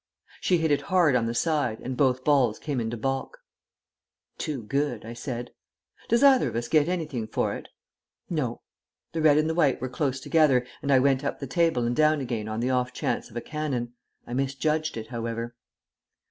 She hit it hard on the side, and both balls came into baulk. "Too good," I said. "Does either of us get anything for it?" "No." The red and the white were close together, and I went up the table and down again on the off chance of a cannon. I misjudged it, however.